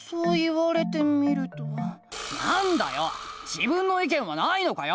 自分の意見はないのかよ！